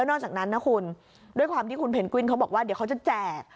นอกจากนั้นนะคุณด้วยความที่คุณเพนกวินเขาบอกว่าเดี๋ยวเขาจะแจก